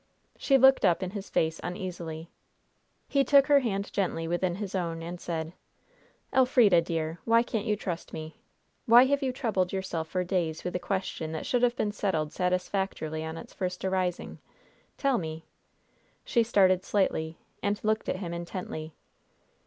She looked up in his face uneasily. He took her hand gently within his own and said: "Elfrida, dear, why can't you trust me? Why have you troubled yourself for days with a question that should have been settled satisfactorily on its first arising? Tell me." She started slightly, and looked at him intently.